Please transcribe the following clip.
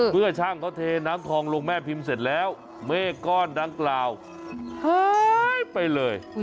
เมื่อช่างเขาเทน้ำทองลงแม่พิมพ์เสร็จแล้วเมฆก้อนดังกล่าวหายไปเลย